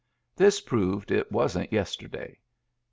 This proved it wasn't yesterday.